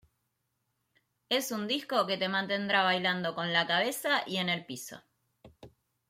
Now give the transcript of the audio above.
Es un disco que te mantendrá bailando con la cabeza y en el piso".